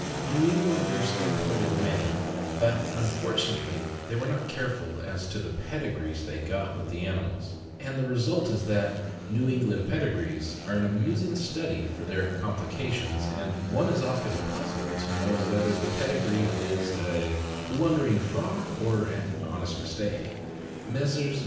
New Englanders imported many, but, unfortunately, they were not careful as to the pedigrees they got with the animals, and the result is that "New England pedigrees" are an amusing study for their complications, and one is often puzzled to know whether the pedigree is a blundering fraud or an honest mistake. Messrs.